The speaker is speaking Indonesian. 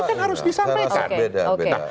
itu kan harus disampaikan